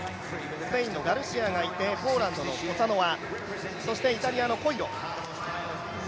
スペインのガルシアがいて、ポーランドのコツァノワそして、イタリアのコイロ。